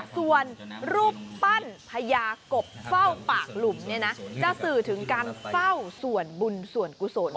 ส่วนรูปปั้นพญากบเฝ้าปากหลุมเนี่ยนะจะสื่อถึงการเฝ้าส่วนบุญส่วนกุศล